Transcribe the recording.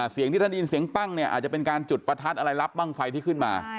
เสียงที่ท่านได้ยินเสียงปั้งเนี่ยอาจจะเป็นการจุดประทัดอะไรรับบ้างไฟที่ขึ้นมา